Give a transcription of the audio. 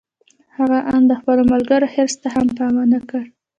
هغه آن د خپلو ملګرو حرص ته هم پام و نه کړ.